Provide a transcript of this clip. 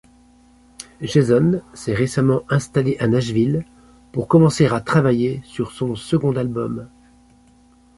Jason s'est récemment installé à Nashville pour commencer à travailler sur son second album.